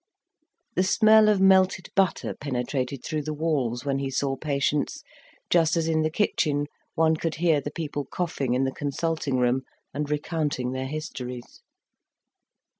The smell of melted butter penetrated through the walls when he saw patients, just as in the kitchen one could hear the people coughing in the consulting room and recounting their histories.